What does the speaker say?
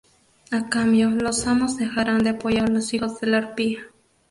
A cambio, los Amos dejarán de apoyar a los Hijos de la Arpía.